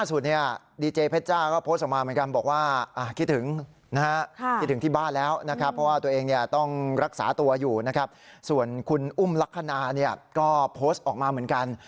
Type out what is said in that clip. ส่วนคุณอุ้มลักษณะเนี่ยก็โพสต์ออกมาเหมือนกัน